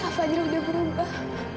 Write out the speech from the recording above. kak fadil sudah berubah